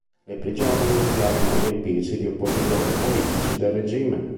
Le prigioni iniziarono a riempirsi di oppositori politici del regime.